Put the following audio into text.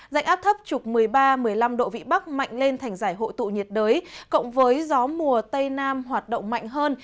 dạnh áp thấp trục một mươi ba một mươi năm độ vị bắc mạnh lên thành giải hội tụ nhiệt đới cộng với gió mùa tây nam hoạt động mạnh hơn